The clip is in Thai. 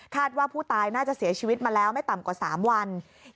ว่าผู้ตายน่าจะเสียชีวิตมาแล้วไม่ต่ำกว่า๓วัน